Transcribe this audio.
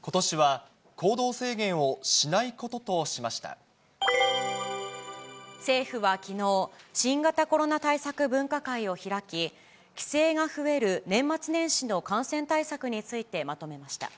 ことしは行動制限をしないこ政府はきのう、新型コロナ対策分科会を開き、帰省が増える年末年始の感染対策についてまとめました。